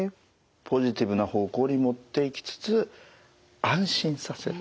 ポジティブな方向に持っていきつつ安心させる。